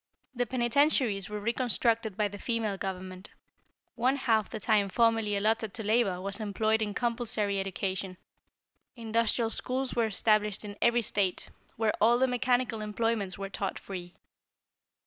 "The penitentiaries were reconstructed by the female government. One half the time formerly allotted to labor was employed in compulsory education. Industrial schools were established in every State, where all the mechanical employments were taught free.